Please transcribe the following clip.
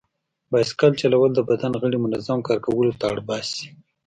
بایسکل چلول د بدن غړي منظم کار کولو ته اړ باسي.